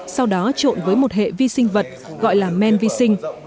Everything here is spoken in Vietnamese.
sau đó trộn với một hệ vi sinh vật gọi là men vi sinh